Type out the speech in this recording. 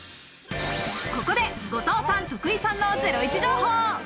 ここで後藤さん、徳井さんのゼロイチ情報。